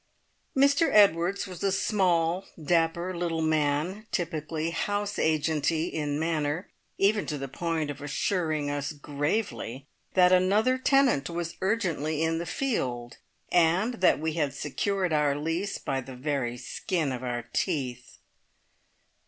Mr Edwards was a small, dapper little man, typically house agenty in manner, even to the point of assuring us gravely that another tenant was urgently in the field, and that we had secured our lease by the very skin of our teeth.